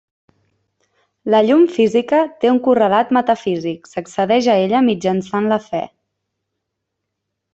La llum física té un correlat metafísic, s'accedeix a ella mitjançant la fe.